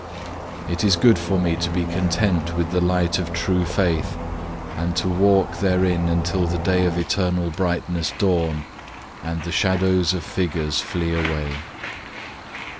It is good for me to be content with the light of true faith, and to walk therein until the day of eternal brightness dawn, and the shadows of figures flee away.